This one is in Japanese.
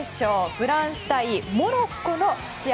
フランス対モロッコの試合